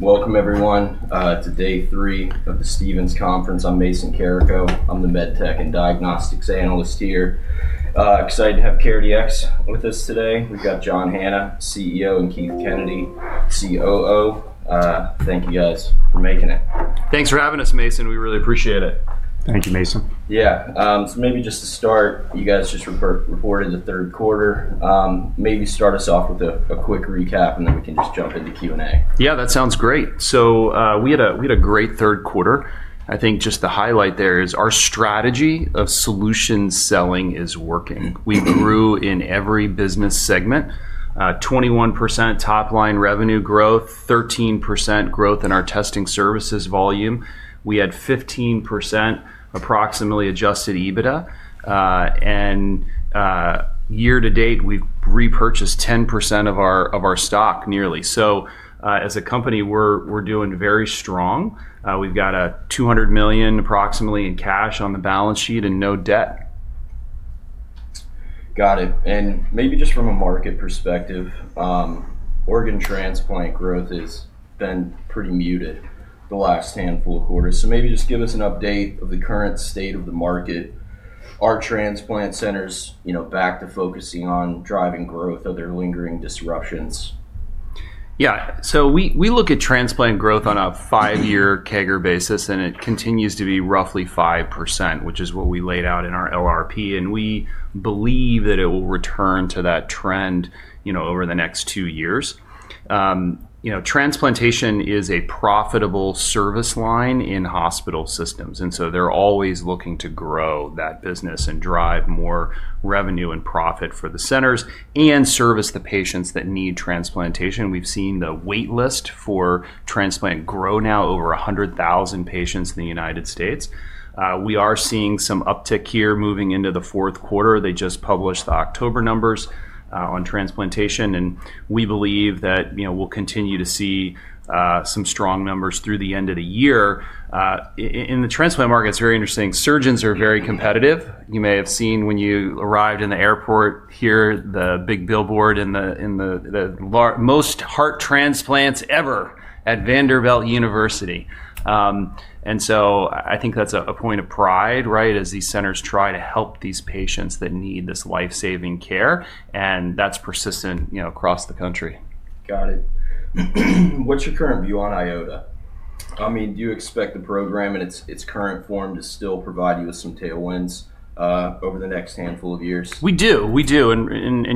Welcome, everyone, to day three of the Stephens Conference. I'm Mason Carrico. I'm the med tech and diagnostics analyst here. Excited to have CareDx with us today. We've got John Hanna, CEO, and Keith Kennedy, COO. Thank you, guys, for making it. Thanks for having us, Mason. We really appreciate it. Thank you, Mason. Yeah. Maybe just to start, you guys just reported the third quarter. Maybe start us off with a quick recap, and then we can just jump into Q&A. Yeah, that sounds great. We had a great third quarter. I think just the highlight there is our strategy of solution selling is working. We grew in every business segment: 21% top-line revenue growth, 13% growth in our testing services volume. We had 15% approximately adjusted EBITDA. Year to date, we've repurchased 10% of our stock, nearly. As a company, we're doing very strong. We've got approximately $200 million in cash on the balance sheet and no debt. Got it. Maybe just from a market perspective, organ transplant growth has been pretty muted the last handful of quarters. Maybe just give us an update of the current state of the market. Are transplant centers back to focusing on driving growth or are there lingering disruptions? Yeah. We look at transplant growth on a five-year CAGR basis, and it continues to be roughly 5%, which is what we laid out in our LRP. We believe that it will return to that trend over the next two years. Transplantation is a profitable service line in hospital systems. They are always looking to grow that business and drive more revenue and profit for the centers and service the patients that need transplantation. We've seen the waitlist for transplant grow now over 100,000 patients in the United States. We are seeing some uptick here moving into the fourth quarter. They just published the October numbers on transplantation. We believe that we'll continue to see some strong numbers through the end of the year. In the transplant market, it's very interesting. Surgeons are very competitive. You may have seen when you arrived in the airport here, the big billboard in the most heart transplants ever at Vanderbilt University. I think that's a point of pride, right, as these centers try to help these patients that need this lifesaving care. That's persistent across the country. Got it. What's your current view on IOTA? I mean, do you expect the program in its current form to still provide you with some tailwinds over the next handful of years? We do. We do.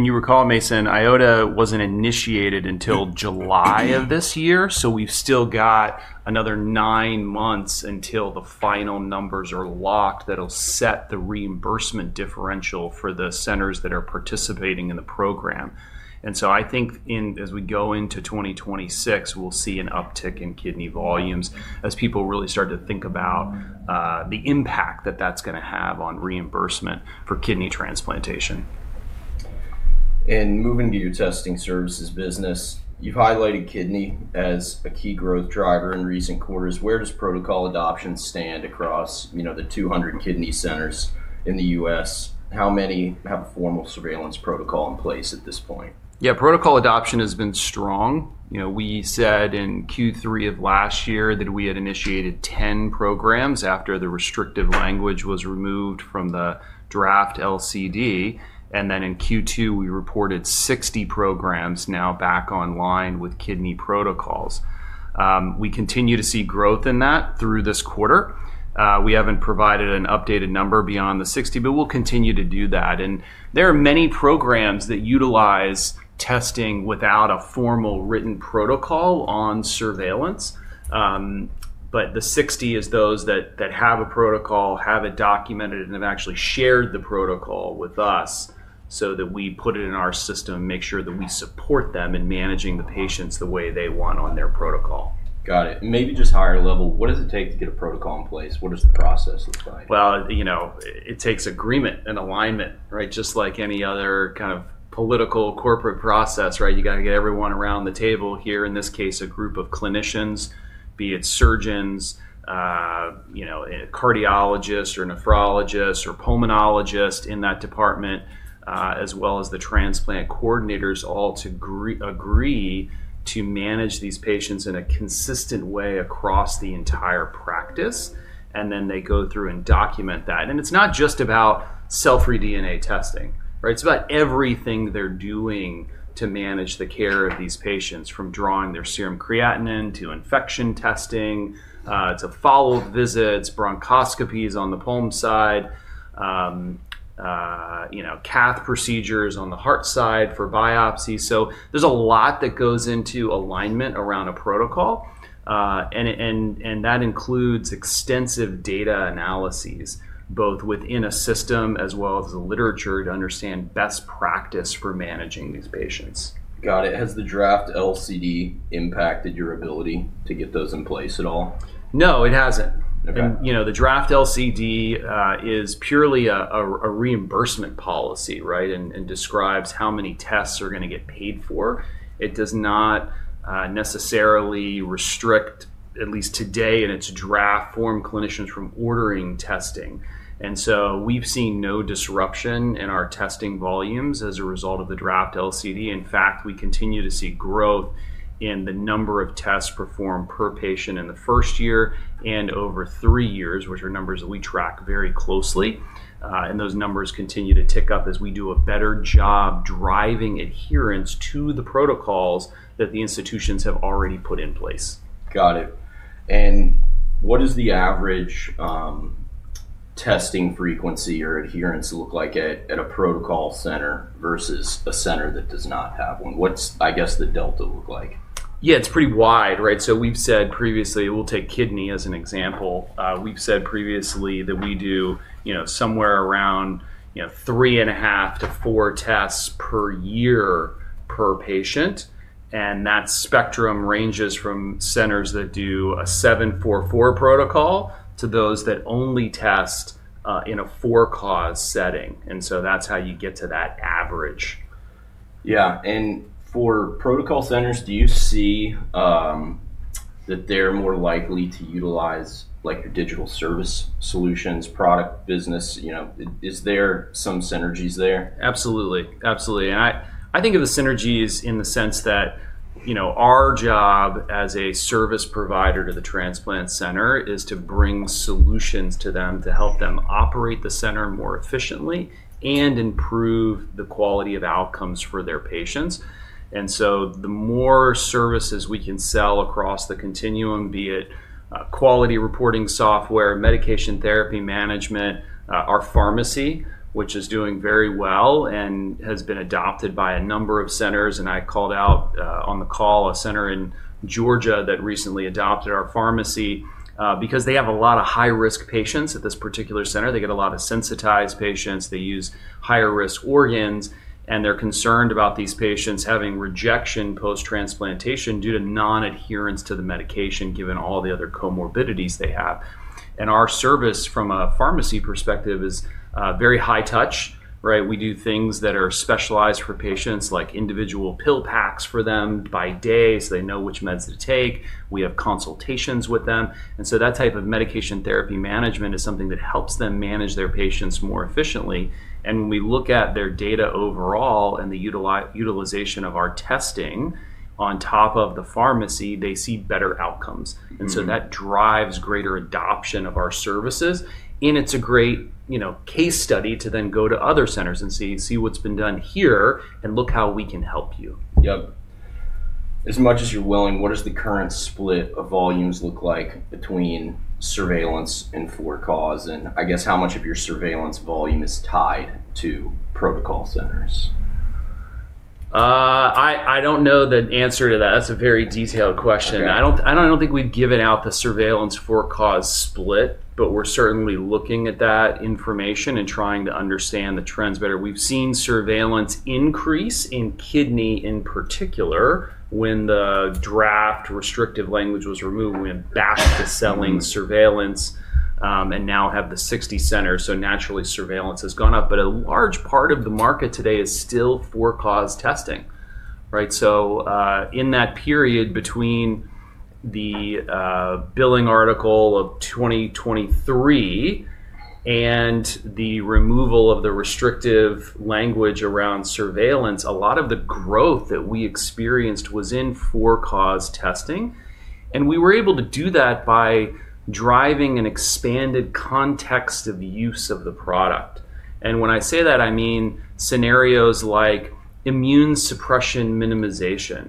You recall, Mason, IOTA wasn't initiated until July of this year. We have still got another nine months until the final numbers are locked that will set the reimbursement differential for the centers that are participating in the program. I think as we go into 2026, we will see an uptick in kidney volumes as people really start to think about the impact that is going to have on reimbursement for kidney transplantation. Moving to your testing services business, you've highlighted kidney as a key growth driver in recent quarters. Where does protocol adoption stand across the 200 kidney centers in the U.S.? How many have a formal surveillance protocol in place at this point? Yeah, protocol adoption has been strong. We said in Q3 of last year that we had initiated 10 programs after the restrictive language was removed from the draft LCD. In Q2, we reported 60 programs now back online with kidney protocols. We continue to see growth in that through this quarter. We haven't provided an updated number beyond the 60, but we'll continue to do that. There are many programs that utilize testing without a formal written protocol on surveillance. The 60 is those that have a protocol, have it documented, and have actually shared the protocol with us so that we put it in our system and make sure that we support them in managing the patients the way they want on their protocol. Got it. Maybe just higher level, what does it take to get a protocol in place? What does the process look like? It takes agreement and alignment, right? Just like any other kind of political corporate process, right? You got to get everyone around the table here, in this case, a group of clinicians, be it surgeons, cardiologists, or nephrologists, or pulmonologists in that department, as well as the transplant coordinators, all to agree to manage these patients in a consistent way across the entire practice. They go through and document that. It's not just about cell-free DNA testing, right? It's about everything they're doing to manage the care of these patients, from drawing their serum creatinine to infection testing. It's a follow-up visit, it's bronchoscopies on the pulm side, cath procedures on the heart side for biopsy. There is a lot that goes into alignment around a protocol. That includes extensive data analyses, both within a system as well as the literature to understand best practice for managing these patients. Got it. Has the draft LCD impacted your ability to get those in place at all? No, it hasn't. The draft LCD is purely a reimbursement policy, right, and describes how many tests are going to get paid for. It does not necessarily restrict, at least today in its draft form, clinicians from ordering testing. We have seen no disruption in our testing volumes as a result of the draft LCD. In fact, we continue to see growth in the number of tests performed per patient in the first year and over three years, which are numbers that we track very closely. Those numbers continue to tick up as we do a better job driving adherence to the protocols that the institutions have already put in place. Got it. What does the average testing frequency or adherence look like at a protocol center versus a center that does not have one? What is, I guess, the delta look like? Yeah, it's pretty wide, right? We've said previously, we'll take kidney as an example. We've said previously that we do somewhere around three and a half to four tests per year per patient. That spectrum ranges from centers that do a 744 protocol to those that only test in a for-cause setting. That's how you get to that average. Yeah. For protocol centers, do you see that they're more likely to utilize your digital service solutions, product, business? Is there some synergies there? Absolutely. Absolutely. I think of the synergies in the sense that our job as a service provider to the transplant center is to bring solutions to them to help them operate the center more efficiently and improve the quality of outcomes for their patients. The more services we can sell across the continuum, be it quality reporting software, medication therapy management, our pharmacy, which is doing very well and has been adopted by a number of centers. I called out on the call a center in Georgia that recently adopted our pharmacy because they have a lot of high-risk patients at this particular center. They get a lot of sensitized patients. They use higher-risk organs. They are concerned about these patients having rejection post-transplantation due to non-adherence to the medication, given all the other comorbidities they have. Our service, from a pharmacy perspective, is very high touch, right? We do things that are specialized for patients, like individual pill packs for them by day so they know which meds to take. We have consultations with them. That type of medication therapy management is something that helps them manage their patients more efficiently. When we look at their data overall and the utilization of our testing on top of the pharmacy, they see better outcomes. That drives greater adoption of our services. It's a great case study to then go to other centers and say, "See what's been done here and look how we can help you. Yep. As much as you're willing, what does the current split of volumes look like between surveillance and for-cause? I guess how much of your surveillance volume is tied to protocol centers? I don't know the answer to that. That's a very detailed question. I don't think we've given out the surveillance for-cause split, but we're certainly looking at that information and trying to understand the trends better. We've seen surveillance increase in kidney in particular. When the draft restrictive language was removed, we went back to selling surveillance and now have the 60 centers. Naturally, surveillance has gone up. A large part of the market today is still for-cause testing, right? In that period between the billing article of 2023 and the removal of the restrictive language around surveillance, a lot of the growth that we experienced was in for-cause testing. We were able to do that by driving an expanded context of use of the product. When I say that, I mean scenarios like immune suppression minimization.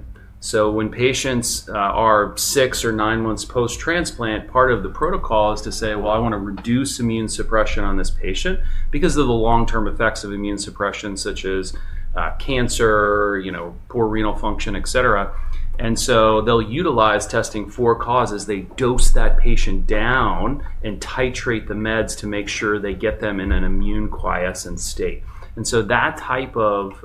When patients are six or nine months post-transplant, part of the protocol is to say, "Well, I want to reduce immune suppression on this patient because of the long-term effects of immune suppression, such as cancer, poor renal function, etc." They'll utilize testing for-cause as they dose that patient down and titrate the meds to make sure they get them in an immune quiescent state. That type of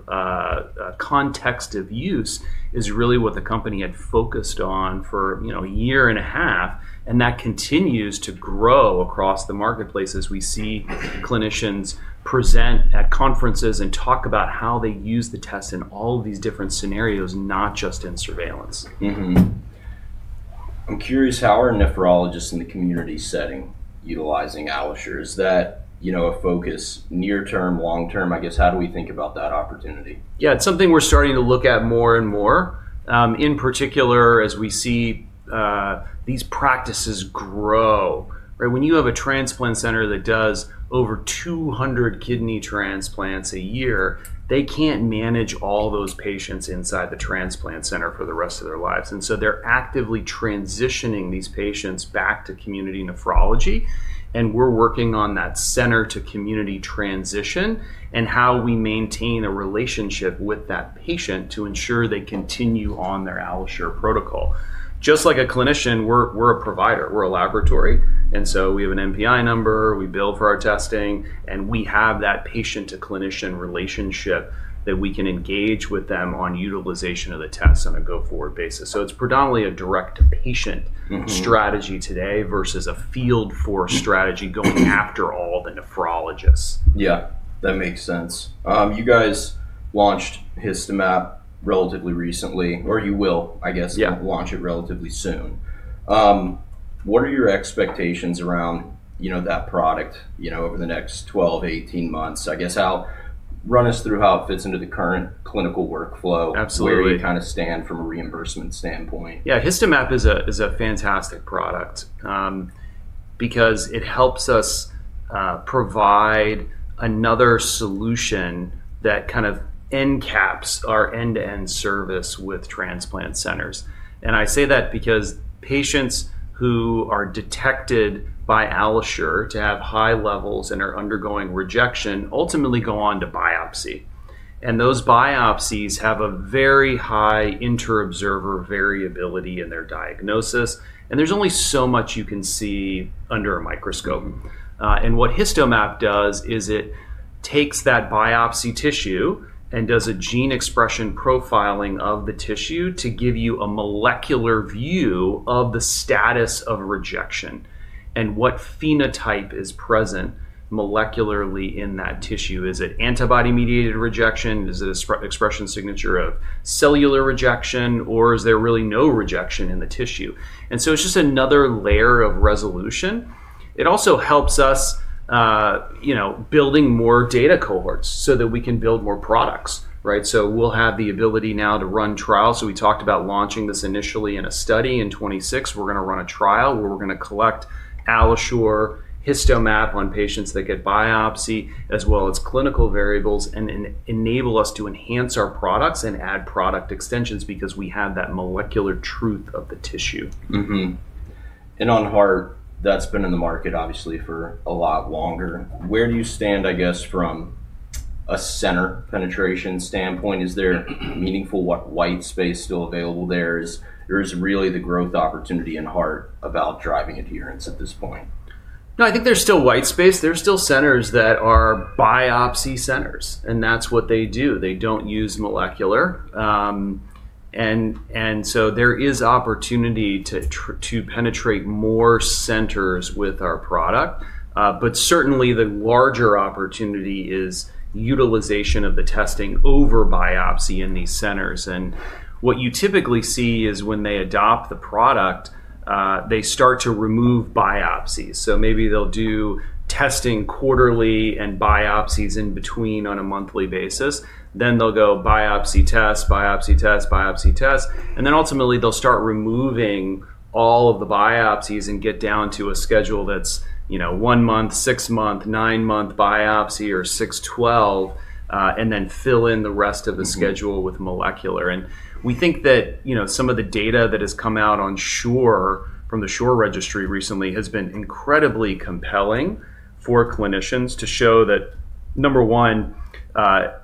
context of use is really what the company had focused on for a year and a half. That continues to grow across the marketplace as we see clinicians present at conferences and talk about how they use the tests in all of these different scenarios, not just in surveillance. I'm curious how are nephrologists in the community setting utilizing AlloSure? Is that a focus near-term, long-term? I guess, how do we think about that opportunity? Yeah, it's something we're starting to look at more and more, in particular as we see these practices grow, right? When you have a transplant center that does over 200 kidney transplants a year, they can't manage all those patients inside the transplant center for the rest of their lives. They are actively transitioning these patients back to community nephrology. We're working on that center-to-community transition and how we maintain a relationship with that patient to ensure they continue on their AlloSure protocol. Just like a clinician, we're a provider. We're a laboratory. We have an NPI number. We bill for our testing. We have that patient-to-clinician relationship that we can engage with them on utilization of the tests on a go-forward basis. It's predominantly a direct-to-patient strategy today versus a field-force strategy going after all the nephrologists. Yeah. That makes sense. You guys launched HistoMap relatively recently, or you will, I guess, launch it relatively soon. What are your expectations around that product over the next 12, 18 months? I guess, run us through how it fits into the current clinical workflow. Where do we kind of stand from a reimbursement standpoint? Yeah. HistoMap is a fantastic product because it helps us provide another solution that kind of encapsulates our end-to-end service with transplant centers. I say that because patients who are detected by AlloSure to have high levels and are undergoing rejection ultimately go on to biopsy. Those biopsies have a very high inter-observer variability in their diagnosis. There is only so much you can see under a microscope. What HistoMap does is it takes that biopsy tissue and does a gene expression profiling of the tissue to give you a molecular view of the status of rejection and what phenotype is present molecularly in that tissue. Is it antibody-mediated rejection? Is it an expression signature of cellular rejection? Or is there really no rejection in the tissue? It is just another layer of resolution. It also helps us building more data cohorts so that we can build more products, right? We'll have the ability now to run trials. We talked about launching this initially in a study in 2026. We're going to run a trial where we're going to collect AlloSure, HistoMap on patients that get biopsy, as well as clinical variables and enable us to enhance our products and add product extensions because we have that molecular truth of the tissue. On heart, that's been in the market, obviously, for a lot longer. Where do you stand, I guess, from a center penetration standpoint? Is there meaningful white space still available there? Is there really the growth opportunity in heart about driving adherence at this point? No, I think there's still white space. There's still centers that are biopsy centers. That's what they do. They don't use molecular. There is opportunity to penetrate more centers with our product. Certainly, the larger opportunity is utilization of the testing over biopsy in these centers. What you typically see is when they adopt the product, they start to remove biopsies. Maybe they'll do testing quarterly and biopsies in between on a monthly basis. They will go biopsy test, biopsy test, biopsy test. Ultimately, they'll start removing all of the biopsies and get down to a schedule that's one-month, six-month, nine-month biopsy or 6-12, and then fill in the rest of the schedule with molecular. We think that some of the data that has come out on SHORE from the SHORE registry recently has been incredibly compelling for clinicians to show that, number one,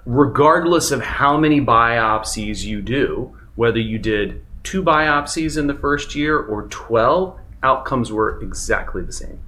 regardless of how many biopsies you do, whether you did two biopsies in the first year or 12, outcomes were exactly the same,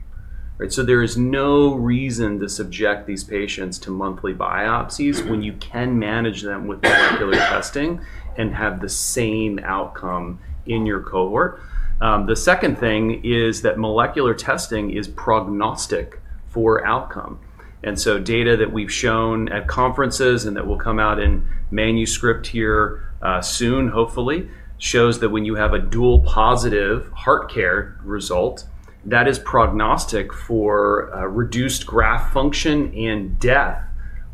right? There is no reason to subject these patients to monthly biopsies when you can manage them with molecular testing and have the same outcome in your cohort. The second thing is that molecular testing is prognostic for outcome. Data that we've shown at conferences and that will come out in manuscript here soon, hopefully, shows that when you have a dual positive HeartCare result, that is prognostic for reduced graft function and death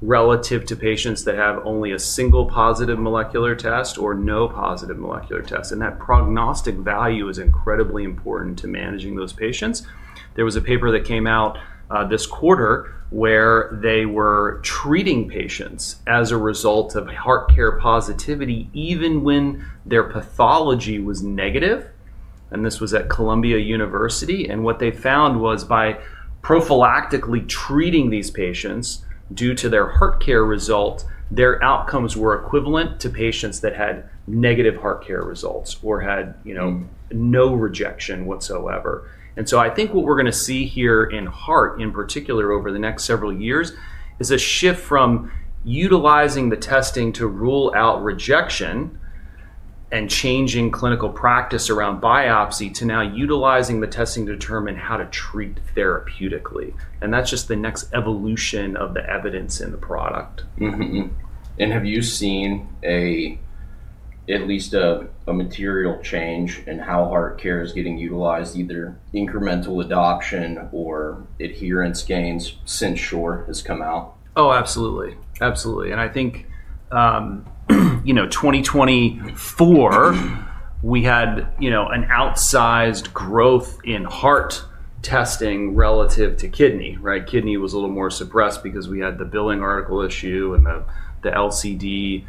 relative to patients that have only a single positive molecular test or no positive molecular test. That prognostic value is incredibly important to managing those patients. There was a paper that came out this quarter where they were treating patients as a result of HeartCare positivity, even when their pathology was negative. This was at Columbia University. What they found was by prophylactically treating these patients due to their HeartCare result, their outcomes were equivalent to patients that had negative HeartCare results or had no rejection whatsoever. I think what we're going to see here in heart, in particular over the next several years, is a shift from utilizing the testing to rule out rejection and changing clinical practice around biopsy to now utilizing the testing to determine how to treat therapeutically. That's just the next evolution of the evidence in the product. Have you seen at least a material change in how HeartCare is getting utilized, either incremental adoption or adherence gains since SHORE has come out? Oh, absolutely. Absolutely. I think 2024, we had an outsized growth in heart testing relative to kidney, right? Kidney was a little more suppressed because we had the billing article issue and the LCD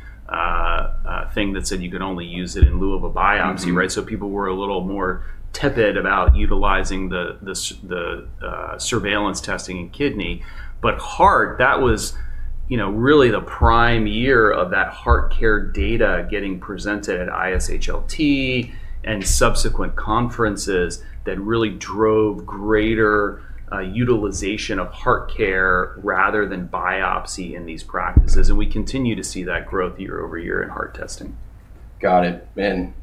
thing that said you could only use it in lieu of a biopsy, right? People were a little more tepid about utilizing the surveillance testing in kidney. Heart, that was really the prime year of that HeartCare data getting presented at ISHLT and subsequent conferences that really drove greater utilization of HeartCare rather than biopsy in these practices. We continue to see that growth year over year in heart testing. Got it.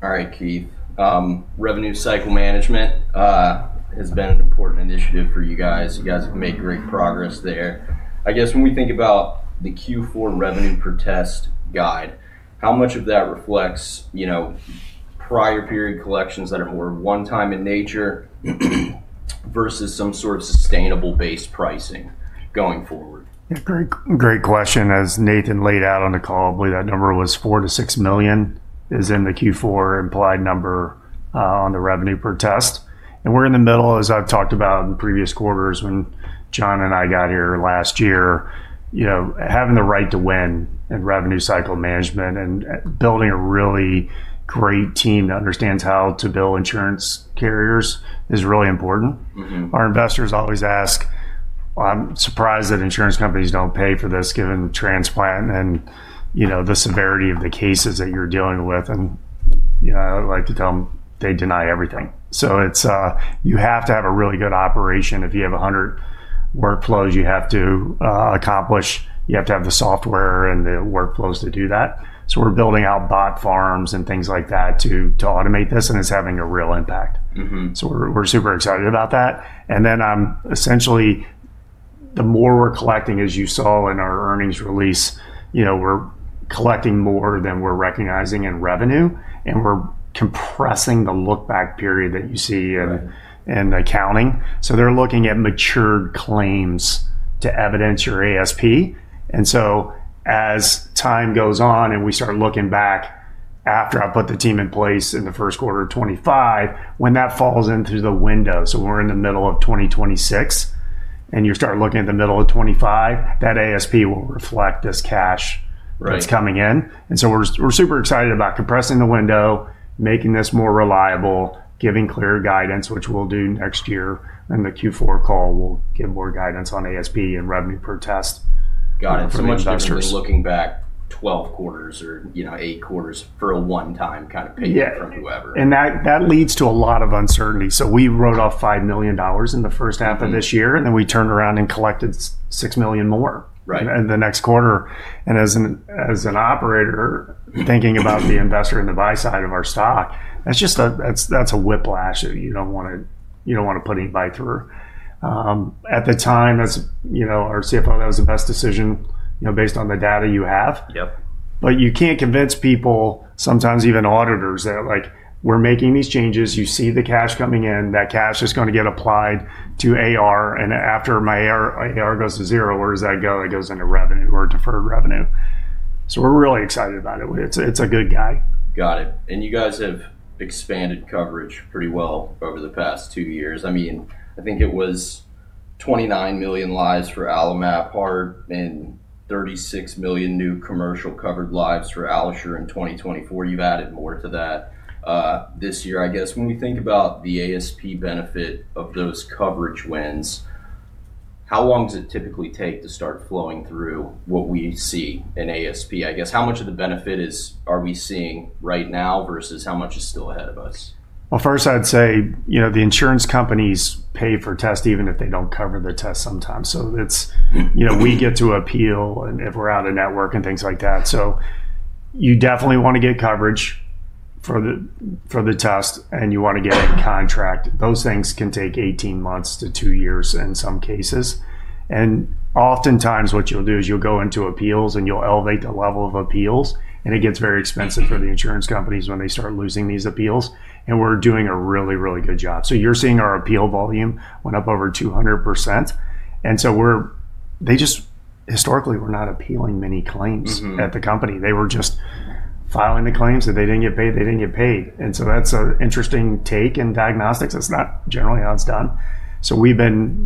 All right, Keith, revenue cycle management has been an important initiative for you guys. You guys have made great progress there. I guess when we think about the Q4 revenue for test guide, how much of that reflects prior period collections that are more one-time in nature versus some sort of sustainable-based pricing going forward? Great question. As Nathan laid out on the call, I believe that number was $4 million-$6 million is in the Q4 implied number on the revenue per test. We're in the middle, as I've talked about in previous quarters when John and I got here last year, having the right to win in revenue cycle management and building a really great team that understands how to bill insurance carriers is really important. Our investors always ask, "I'm surprised that insurance companies don't pay for this given the transplant and the severity of the cases that you're dealing with." I like to tell them, "They deny everything." You have to have a really good operation. If you have 100 workflows you have to accomplish, you have to have the software and the workflows to do that. We're building out bot farms and things like that to automate this and it is having a real impact. We're super excited about that. Essentially, the more we're collecting, as you saw in our earnings release, we're collecting more than we're recognizing in revenue. We're compressing the look-back period that you see in accounting. They're looking at matured claims to evidence your ASP. As time goes on and we start looking back after I put the team in place in the first quarter of 2025, when that falls into the window, we're in the middle of 2026, and you start looking at the middle of 2025, that ASP will reflect this cash that's coming in. We're super excited about compressing the window, making this more reliable, giving clearer guidance, which we'll do next year. The Q4 call will give more guidance on ASP and revenue per test. Got it. So much better than looking back 12 quarters or 8 quarters for a one-time kind of payment from whoever. Yeah. That leads to a lot of uncertainty. We wrote off $5 million in the first half of this year. Then we turned around and collected $6 million more in the next quarter. As an operator, thinking about the investor and the buy side of our stock, that's a whiplash that you don't want to put anybody through. At the time, our CFO, that was the best decision based on the data you have. You can't convince people, sometimes even auditors, that we're making these changes. You see the cash coming in. That cash is going to get applied to AR. After my AR goes to zero, where does that go? It goes into revenue or deferred revenue. We're really excited about it. It's a good guide. Got it. You guys have expanded coverage pretty well over the past two years. I mean, I think it was 29 million lives for AlloMap Heart, and 36 million new commercial covered lives for AlloSure in 2024. You've added more to that this year, I guess. When we think about the ASP benefit of those coverage wins, how long does it typically take to start flowing through what we see in ASP? I guess, how much of the benefit are we seeing right now versus how much is still ahead of us? First, I'd say the insurance companies pay for tests even if they don't cover the test sometimes. We get to appeal if we're out of network and things like that. You definitely want to get coverage for the test, and you want to get it contracted. Those things can take 18 months to two years in some cases. Oftentimes, what you'll do is you'll go into appeals, and you'll elevate the level of appeals. It gets very expensive for the insurance companies when they start losing these appeals. We're doing a really, really good job. You're seeing our appeal volume went up over 200%. They just historically were not appealing many claims at the company. They were just filing the claims, and they didn't get paid. They didn't get paid. That's an interesting take in diagnostics. That's not generally how it's done. We've been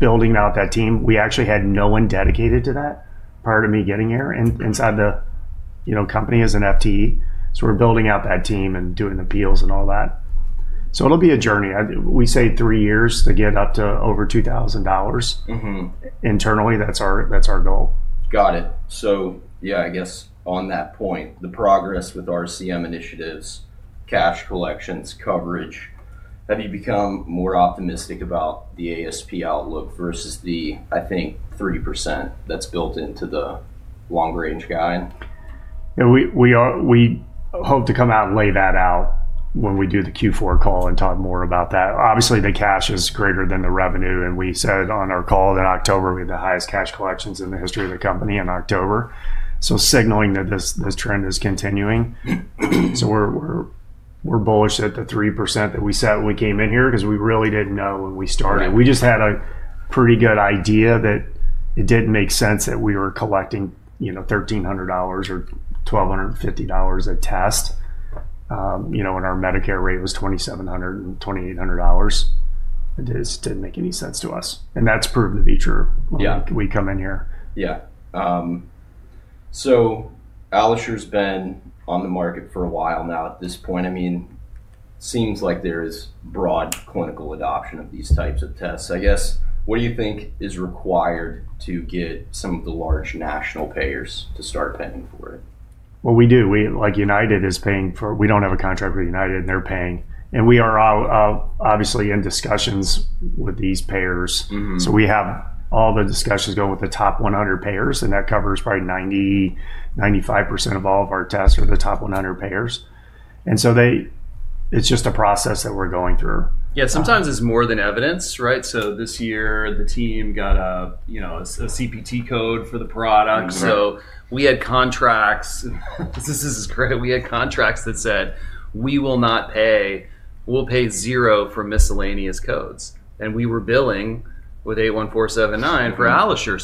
building out that team. We actually had no one dedicated to that prior to me getting here inside the company as an FTE. We're building out that team and doing appeals and all that. It'll be a journey. We say three years to get up to over $2,000 internally. That's our goal. Got it. Yeah, I guess on that point, the progress with RCM initiatives, cash collections, coverage, have you become more optimistic about the ASP outlook versus the, I think, 3% that's built into the long-range guide? We hope to come out and lay that out when we do the Q4 call and talk more about that. Obviously, the cash is greater than the revenue. We said on our call in October, we had the highest cash collections in the history of the company in October. Signaling that this trend is continuing. We are bullish at the 3% that we set when we came in here because we really did not know when we started. We just had a pretty good idea that it did not make sense that we were collecting $1,300 or $1,250 a test when our Medicare rate was $2,700 and $2,800. It just did not make any sense to us. That has proven to be true when we come in here. Yeah. So AlloSure's been on the market for a while now at this point. I mean, it seems like there is broad clinical adoption of these types of tests. I guess, what do you think is required to get some of the large national payers to start paying for it? United is paying for it. We don't have a contract with United, and they're paying. We are obviously in discussions with these payers. We have all the discussions going with the top 100 payers. That covers probably 90%, 95% of all of our tests are the top 100 payers. It's just a process that we're going through. Yeah. Sometimes it's more than evidence, right? This year, the team got a CPT code for the product. We had contracts. This is great. We had contracts that said, "We will not pay. We'll pay zero for miscellaneous codes." We were billing with 81479 for AlloSure.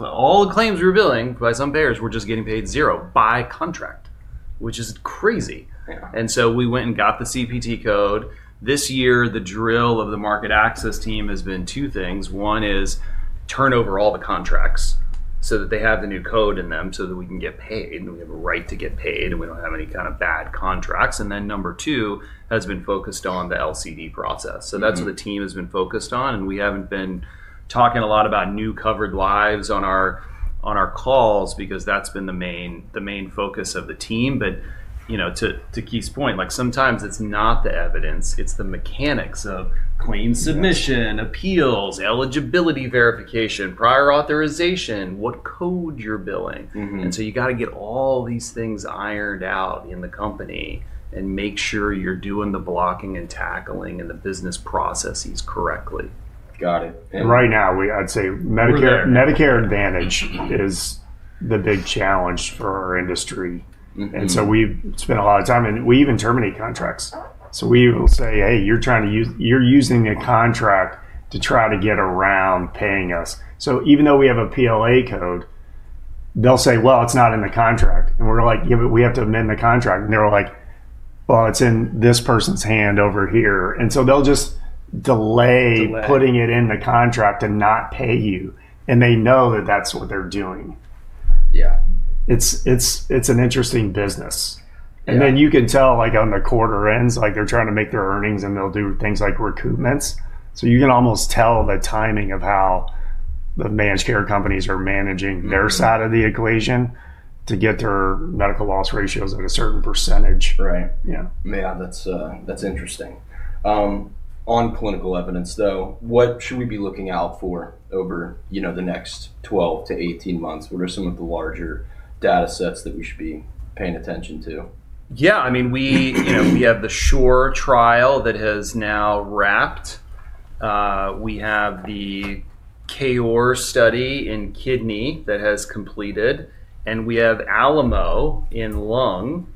All the claims we were billing by some payers were just getting paid zero by contract, which is crazy. We went and got the CPT code. This year, the drill of the market access team has been two things. One is turn over all the contracts so that they have the new code in them so that we can get paid and we have a right to get paid and we don't have any kind of bad contracts. Number two has been focused on the LCD process. That's what the team has been focused on. We have not been talking a lot about new covered lives on our calls because that has been the main focus of the team. To Keith's point, sometimes it is not the evidence. It is the mechanics of claim submission, appeals, eligibility verification, prior authorization, what code you are billing. You have to get all these things ironed out in the company and make sure you are doing the blocking and tackling and the business processes correctly. Got it. Right now, I'd say Medicare Advantage is the big challenge for our industry. We spend a lot of time, and we even terminate contracts. We will say, "Hey, you're using a contract to try to get around paying us." Even though we have a PLA code, they'll say, "Well, it's not in the contract." We're like, "We have to amend the contract." They're like, "Well, it's in this person's hand over here." They will just delay putting it in the contract to not pay you. They know that that's what they're doing. Yeah. It's an interesting business. You can tell on the quarter ends, they're trying to make their earnings, and they'll do things like recoupments. You can almost tell the timing of how the managed care companies are managing their side of the equation to get their medical loss ratios at a certain percentage. Right. Yeah. That's interesting. On clinical evidence, though, what should we be looking out for over the next 12 to 18 months? What are some of the larger data sets that we should be paying attention to? Yeah. I mean, we have the SHORE trial that has now wrapped. We have the KOAR study in kidney that has completed. We have ALAMO in lung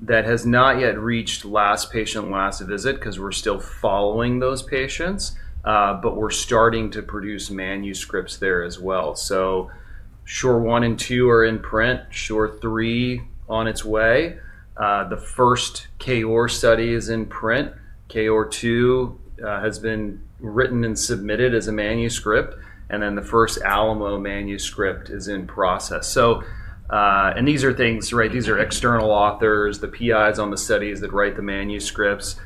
that has not yet reached last patient last visit because we're still following those patients. We're starting to produce manuscripts there as well. SHORE 1 and 2 are in print. SHORE 3 on its way. The first KOAR study is in print. KOAR 2 has been written and submitted as a manuscript. The first ALAMO manuscript is in process. These are things, right? These are external authors, the PIs on the studies that write the manuscripts.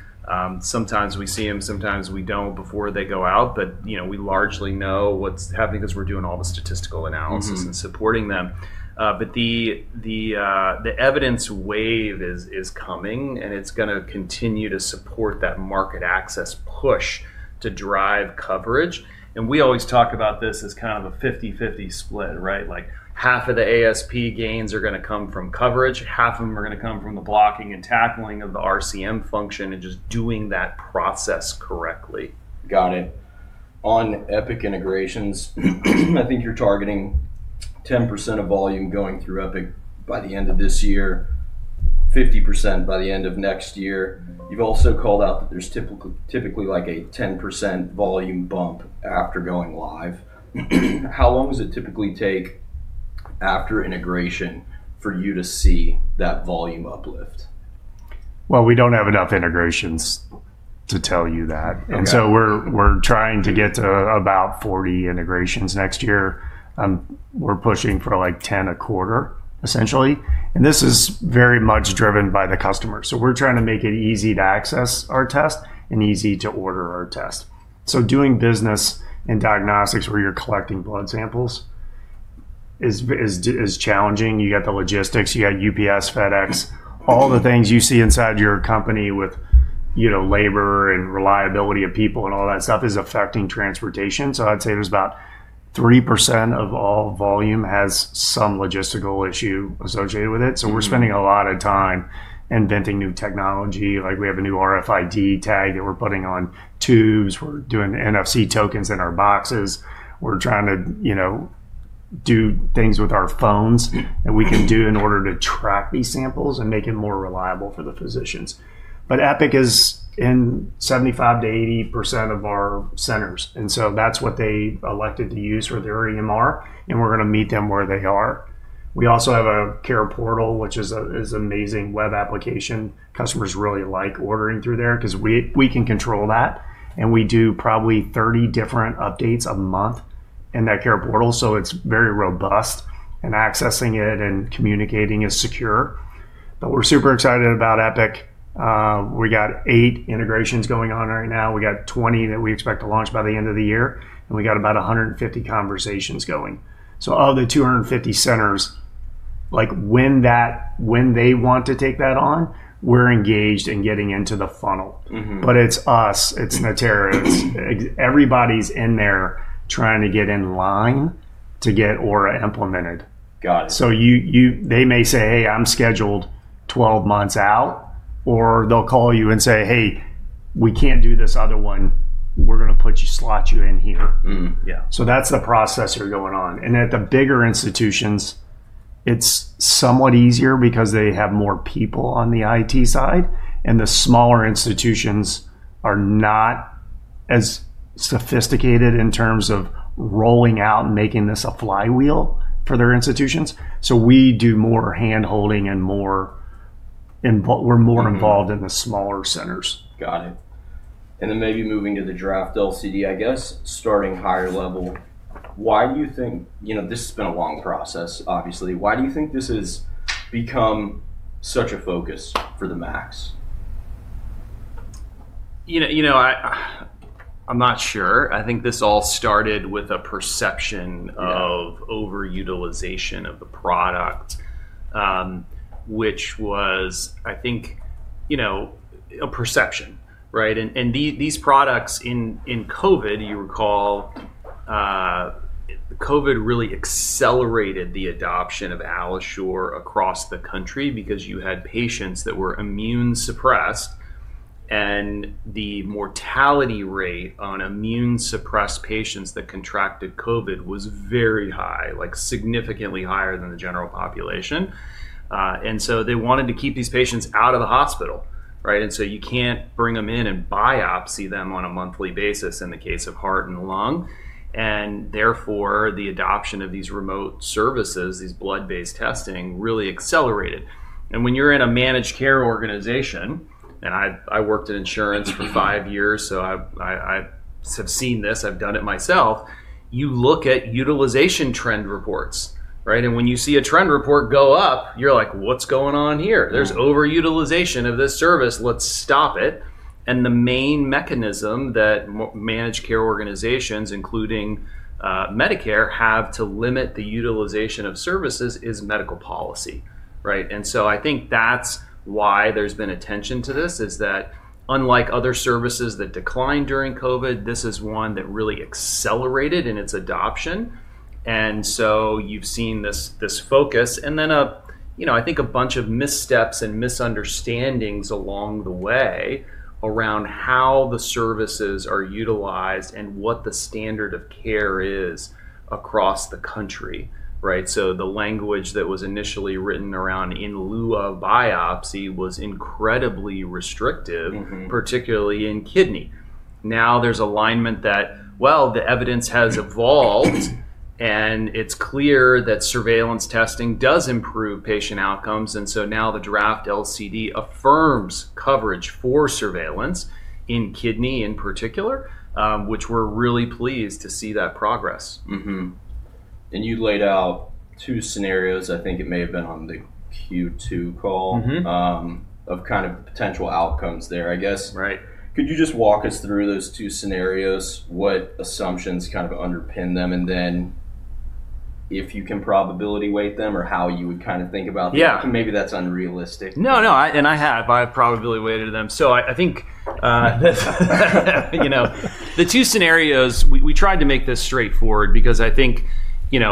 Sometimes we see them. Sometimes we don't before they go out. We largely know what's happening because we're doing all the statistical analysis and supporting them. The evidence wave is coming, and it's going to continue to support that market access push to drive coverage. We always talk about this as kind of a 50/50 split, right? Half of the ASP gains are going to come from coverage. Half of them are going to come from the blocking and tackling of the RCM function and just doing that process correctly. Got it. On Epic integrations, I think you're targeting 10% of volume going through Epic by the end of this year, 50% by the end of next year. You've also called out that there's typically a 10% volume bump after going live. How long does it typically take after integration for you to see that volume uplift? We do not have enough integrations to tell you that. We are trying to get to about 40 integrations next year. We are pushing for like 10 a quarter, essentially. This is very much driven by the customer. We are trying to make it easy to access our test and easy to order our test. Doing business in diagnostics where you are collecting blood samples is challenging. You have the logistics. You have UPS, FedEx, all the things you see inside your company with labor and reliability of people and all that stuff is affecting transportation. I would say there is about 3% of all volume that has some logistical issue associated with it. We are spending a lot of time inventing new technology. We have a new RFID tag that we are putting on tubes. We are doing NFC tokens in our boxes. We're trying to do things with our phones that we can do in order to track these samples and make it more reliable for the physicians. Epic is in 75%-80% of our centers. That's what they elected to use for their EMR. We're going to meet them where they are. We also have a CarePortal, which is an amazing web application. Customers really like ordering through there because we can control that. We do probably 30 different updates a month in that CarePortal. It is very robust, and accessing it and communicating is secure. We're super excited about Epic. We got eight integrations going on right now. We got 20 that we expect to launch by the end of the year. We got about 150 conversations going. Of the 250 centers, when they want to take that on, we're engaged in getting into the funnel. It's us. It's Natera's. Everybody's in there trying to get in line to get Aura implemented. Got it. They may say, "Hey, I'm scheduled 12 months out," or they'll call you and say, "Hey, we can't do this other one. We're going to slot you in here." That's the process going on. At the bigger institutions, it's somewhat easier because they have more people on the IT side. The smaller institutions are not as sophisticated in terms of rolling out and making this a flywheel for their institutions. We do more hand-holding and we're more involved in the smaller centers. Got it. Maybe moving to the draft LCD, I guess, starting higher level. Why do you think this has been a long process, obviously? Why do you think this has become such a focus for the MACs? I'm not sure. I think this all started with a perception of over-utilization of the product, which was, I think, a perception, right? These products in COVID, you recall, COVID really accelerated the adoption of AlloSure across the country because you had patients that were immune suppressed. The mortality rate on immune suppressed patients that contracted COVID was very high, significantly higher than the general population. They wanted to keep these patients out of the hospital, right? You can't bring them in and biopsy them on a monthly basis in the case of heart and lung. Therefore, the adoption of these remote services, these blood-based testing really accelerated. When you're in a managed care organization, and I worked in insurance for five years, I have seen this. I've done it myself. You look at utilization trend reports, right? When you see a trend report go up, you're like, "What's going on here? There's over-utilization of this service. Let's stop it." The main mechanism that managed care organizations, including Medicare, have to limit the utilization of services is medical policy, right? I think that's why there's been attention to this, is that unlike other services that declined during COVID, this is one that really accelerated in its adoption. You've seen this focus. I think a bunch of missteps and misunderstandings along the way around how the services are utilized and what the standard of care is across the country, right? The language that was initially written around in lieu of biopsy was incredibly restrictive, particularly in kidney. Now there's alignment that, well, the evidence has evolved, and it's clear that surveillance testing does improve patient outcomes. Now the draft LCD affirms coverage for surveillance in kidney in particular, which we're really pleased to see that progress. You laid out two scenarios. I think it may have been on the Q2 call of kind of potential outcomes there, I guess. Could you just walk us through those two scenarios? What assumptions kind of underpin them? If you can probability weight them or how you would kind of think about them, maybe that's unrealistic. No, no. I probably weighted them. I think the two scenarios, we tried to make this straightforward because I think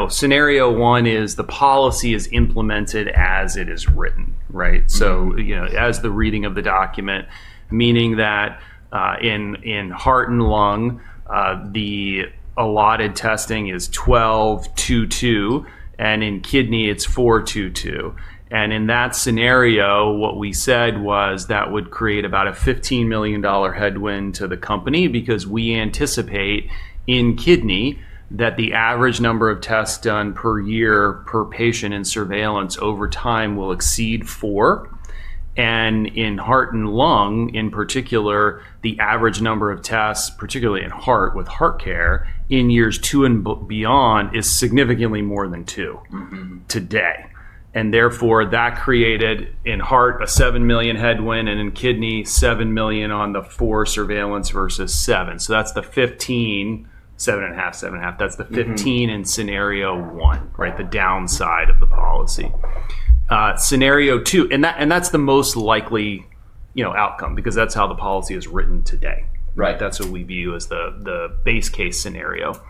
scenario one is the policy is implemented as it is written, right? As the reading of the document, meaning that in heart and lung, the allotted testing is 12, 2, 2. In kidney, it's 4, 2, 2. In that scenario, what we said was that would create about a $15 million headwind to the company because we anticipate in kidney that the average number of tests done per year per patient in surveillance over time will exceed four. In heart and lung, in particular, the average number of tests, particularly in heart with HeartCare in years two and beyond, is significantly more than two today. Therefore, that created in heart a $7 million headwind and in kidney $7 million on the four surveillance versus seven. That is the $15 million, $7.5 million, $7.5 million. That is the $15 million in scenario one, right? The downside of the policy. Scenario two, and that is the most likely outcome because that is how the policy is written today. That is what we view as the base case scenario.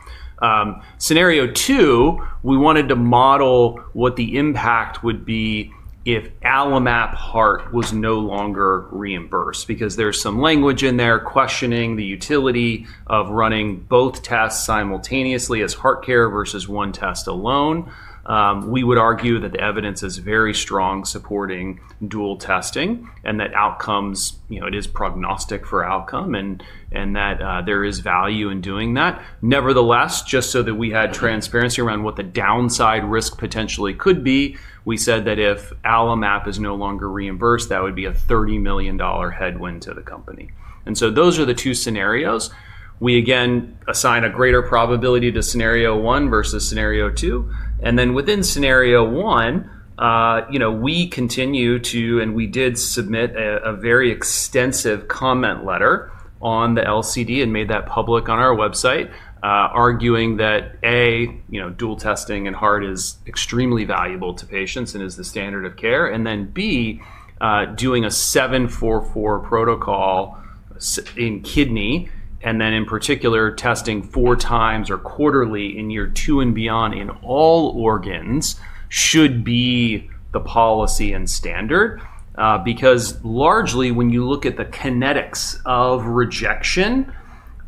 Scenario two, we wanted to model what the impact would be if AlloMap Heart was no longer reimbursed because there is some language in there questioning the utility of running both tests simultaneously as HeartCare versus one test alone. We would argue that the evidence is very strong supporting dual testing and that outcomes, it is prognostic for outcome and that there is value in doing that. Nevertheless, just so that we had transparency around what the downside risk potentially could be, we said that if AlloMap is no longer reimbursed, that would be a $30 million headwind to the company. Those are the two scenarios. We again assign a greater probability to scenario one versus scenario two. Within scenario one, we continue to, and we did submit a very extensive comment letter on the LCD and made that public on our website, arguing that A, dual testing in heart is extremely valuable to patients and is the standard of care. B, doing a 7, 4, 4 protocol in kidney, and then in particular, testing four times or quarterly in year two and beyond in all organs should be the policy and standard because largely when you look at the kinetics of rejection,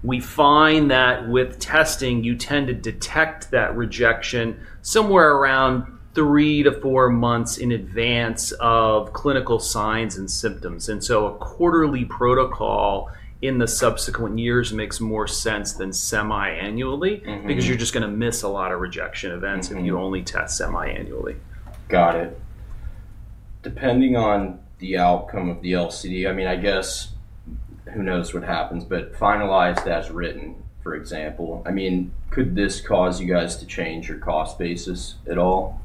we find that with testing, you tend to detect that rejection somewhere around three to four months in advance of clinical signs and symptoms. A quarterly protocol in the subsequent years makes more sense than semi-annually because you're just going to miss a lot of rejection events if you only test semi-annually. Got it. Depending on the outcome of the LCD, I mean, I guess who knows what happens, but finalized as written, for example, I mean, could this cause you guys to change your cost basis at all?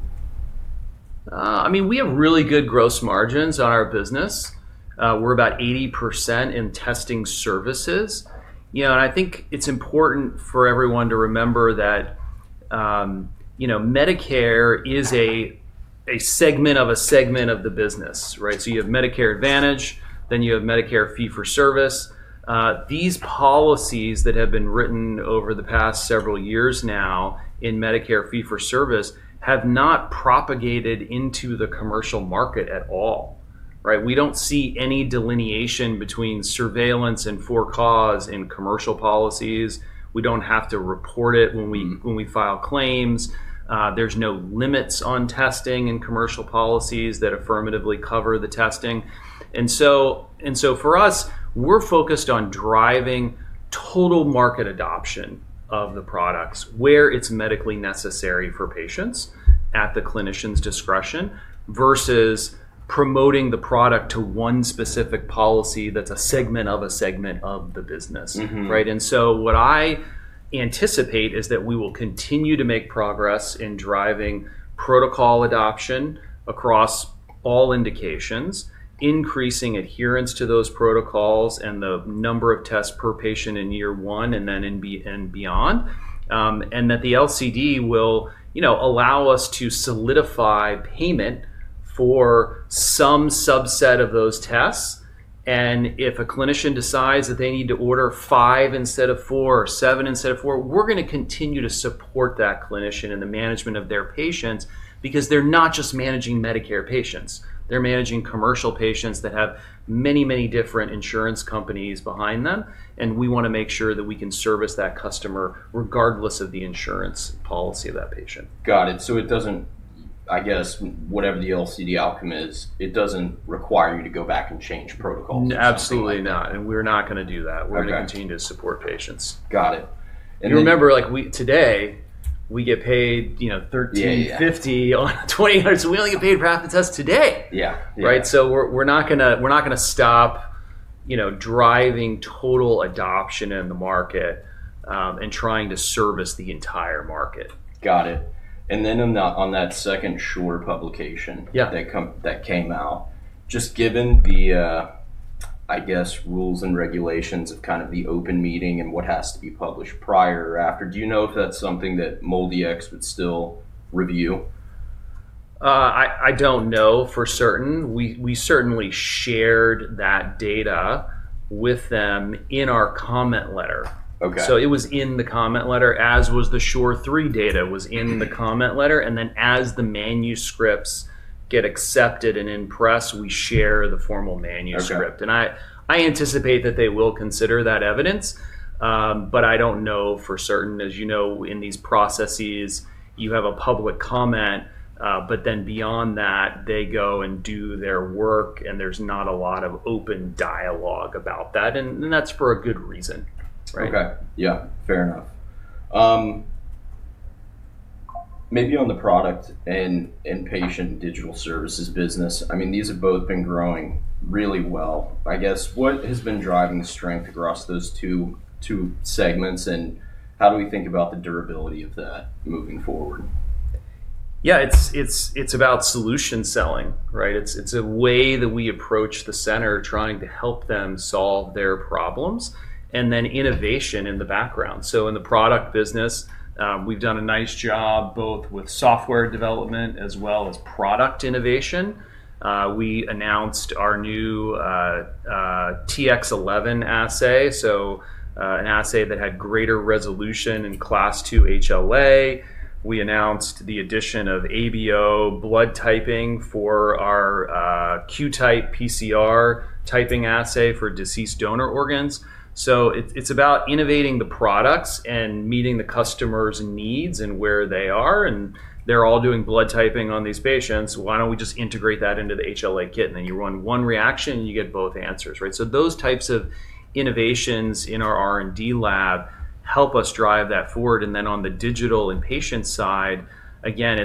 I mean, we have really good gross margins on our business. We're about 80% in testing services. I think it's important for everyone to remember that Medicare is a segment of a segment of the business, right? You have Medicare Advantage, then you have Medicare Fee-for-Service. These policies that have been written over the past several years now in Medicare Fee-for-Service have not propagated into the commercial market at all, right? We don't see any delineation between surveillance and for cause in commercial policies. We don't have to report it when we file claims. There's no limits on testing in commercial policies that affirmatively cover the testing. For us, we're focused on driving total market adoption of the products where it's medically necessary for patients at the clinician's discretion versus promoting the product to one specific policy that's a segment of a segment of the business, right? What I anticipate is that we will continue to make progress in driving protocol adoption across all indications, increasing adherence to those protocols and the number of tests per patient in year one and then beyond. The LCD will allow us to solidify payment for some subset of those tests. If a clinician decides that they need to order five instead of four or seven instead of four, we're going to continue to support that clinician in the management of their patients because they're not just managing Medicare patients. They're managing commercial patients that have many, many different insurance companies behind them. We want to make sure that we can service that customer regardless of the insurance policy of that patient. Got it. It does not, I guess, whatever the LCD outcome is, it does not require you to go back and change protocols. Absolutely not. We are not going to do that. We are going to continue to support patients. Got it. Remember, today, we get paid $13.50 on a 20-hour. We only get paid for half the test today, right? We are not going to stop driving total adoption in the market and trying to service the entire market. Got it. On that second shorter publication that came out, just given the, I guess, rules and regulations of kind of the open meeting and what has to be published prior or after, do you know if that's something that MolDX would still review? I don't know for certain. We certainly shared that data with them in our comment letter. It was in the comment letter, as was the SHORE 3 data was in the comment letter. As the manuscripts get accepted and in press, we share the formal manuscript. I anticipate that they will consider that evidence, but I don't know for certain. As you know, in these processes, you have a public comment, but then beyond that, they go and do their work, and there's not a lot of open dialogue about that. That's for a good reason, right? Okay. Yeah. Fair enough. Maybe on the product and inpatient digital services business, I mean, these have both been growing really well. I guess what has been driving strength across those two segments, and how do we think about the durability of that moving forward? Yeah, it's about solution selling, right? It's a way that we approach the center trying to help them solve their problems and then innovation in the background. In the product business, we've done a nice job both with software development as well as product innovation. We announced our new Tx11 assay, so an assay that had greater resolution in class II HLA. We announced the addition of ABO blood typing for our QTYPE PCR typing assay for deceased donor organs. It's about innovating the products and meeting the customer's needs and where they are. They're all doing blood typing on these patients. Why don't we just integrate that into the HLA kit? You run one reaction, and you get both answers, right? Those types of innovations in our R&D lab help us drive that forward. On the digital and patient side, again,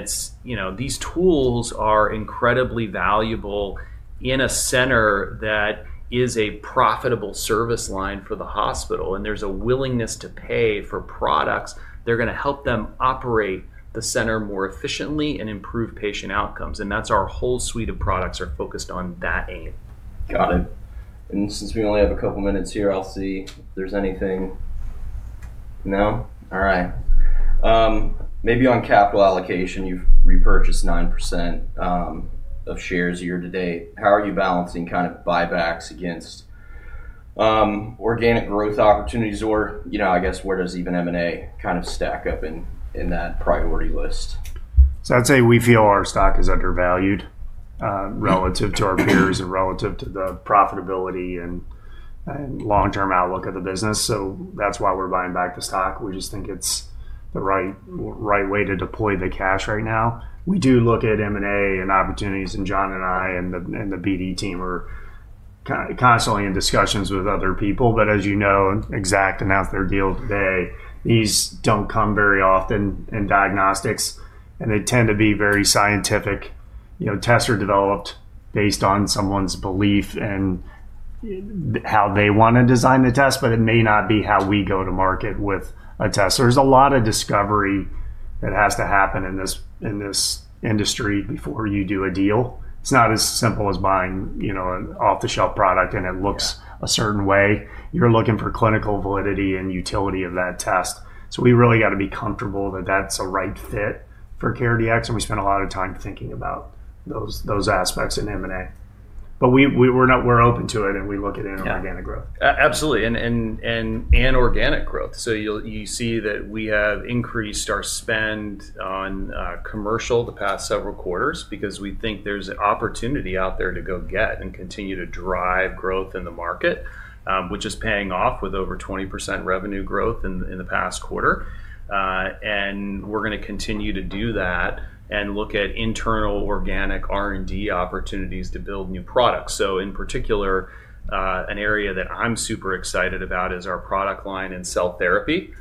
these tools are incredibly valuable in a center that is a profitable service line for the hospital. There's a willingness to pay for products. They're going to help them operate the center more efficiently and improve patient outcomes. That's our whole suite of products are focused on that aim. Got it. Since we only have a couple of minutes here, I'll see if there's anything. No? All right. Maybe on capital allocation, you've repurchased 9% of shares year to date. How are you balancing kind of buybacks against organic growth opportunities, or I guess where does even M&A kind of stack up in that priority list? I'd say we feel our stock is undervalued relative to our peers and relative to the profitability and long-term outlook of the business. That's why we're buying back the stock. We just think it's the right way to deploy the cash right now. We do look at M&A and opportunities, and John and I and the BD team are constantly in discussions with other people. As you know, Exact announced their deal today. These don't come very often in diagnostics, and they tend to be very scientific. Tests are developed based on someone's belief and how they want to design the test, but it may not be how we go to market with a test. There's a lot of discovery that has to happen in this industry before you do a deal. It's not as simple as buying an off-the-shelf product, and it looks a certain way. You're looking for clinical validity and utility of that test. We really got to be comfortable that that's a right fit for CareDx. We spent a lot of time thinking about those aspects in M&A. We're open to it, and we look at it in organic growth. Absolutely. Organic growth. You see that we have increased our spend on commercial the past several quarters because we think there's an opportunity out there to go get and continue to drive growth in the market, which is paying off with over 20% revenue growth in the past quarter. We're going to continue to do that and look at internal organic R&D opportunities to build new products. In particular, an area that I'm super excited about is our product line in cell therapy.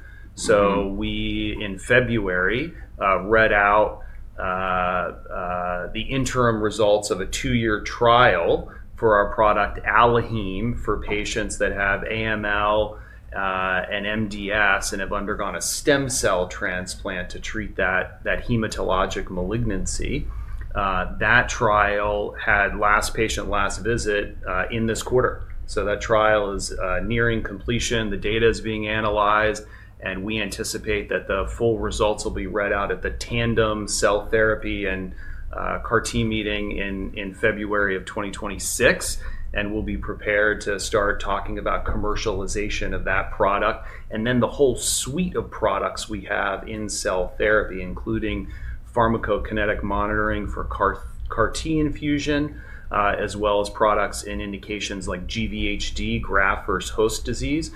In February, we read out the interim results of a two-year trial for our product AlloHeme for patients that have AML and MDS and have undergone a stem cell transplant to treat that hematologic malignancy. That trial had last patient last visit in this quarter. That trial is nearing completion. The data is being analyzed, and we anticipate that the full results will be read out at the Tandem Cell Therapy and CAR-T meeting in February of 2026. We will be prepared to start talking about commercialization of that product. The whole suite of products we have in cell therapy, including pharmacokinetic monitoring for CAR-T infusion, as well as products in indications like GVHD, graft versus host disease.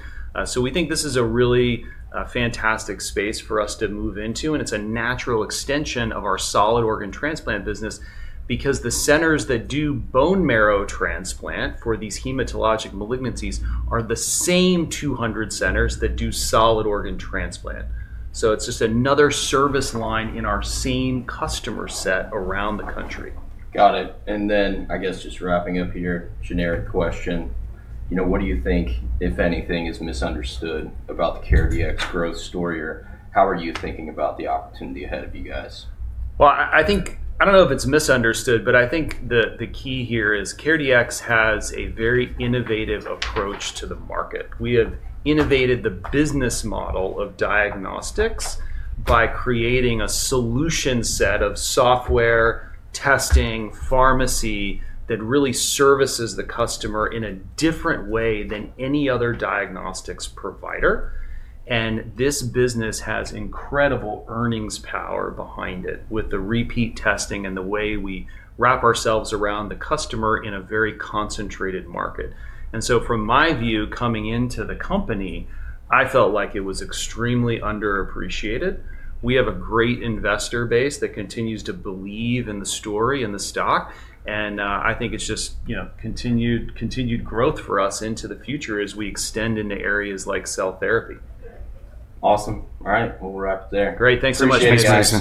We think this is a really fantastic space for us to move into. It is a natural extension of our solid organ transplant business because the centers that do bone marrow transplant for these hematologic malignancies are the same 200 centers that do solid organ transplant. It is just another service line in our same customer set around the country. Got it. I guess just wrapping up here, generic question. What do you think, if anything, is misunderstood about the CareDx growth story? Or how are you thinking about the opportunity ahead of you guys? I don't know if it's misunderstood, but I think the key here is CareDx has a very innovative approach to the market. We have innovated the business model of diagnostics by creating a solution set of software, testing, pharmacy that really services the customer in a different way than any other diagnostics provider. This business has incredible earnings power behind it with the repeat testing and the way we wrap ourselves around the customer in a very concentrated market. From my view, coming into the company, I felt like it was extremely underappreciated. We have a great investor base that continues to believe in the story and the stock. I think it's just continued growth for us into the future as we extend into areas like cell therapy. Awesome. All right. We'll wrap it there. Great. Thanks so much, James.